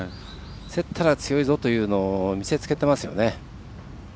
競ったら強いぞというのを見せつけてますよね。